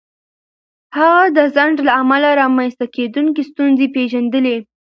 هغه د ځنډ له امله رامنځته کېدونکې ستونزې پېژندلې.